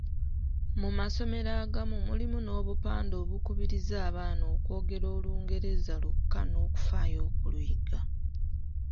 Mu masomero agamu mulimu n'obupande obukubiriza abaana okwogera Olungereza lwokka n'okufaayo okuluyiga.